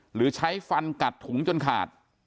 หรือใช้ฟันกัดถุงจนขาด